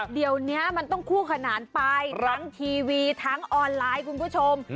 เดี๋ยวนี้มันต้องคู่ขนานไปทั้งทีวีทั้งออนไลน์คุณผู้ชม